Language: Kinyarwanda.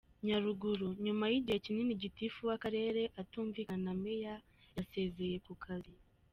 Nyaruguru: Nyuma y’igihe kinini Gitifu w’Akarere atumvikana na Meya yasezeye ku kazi.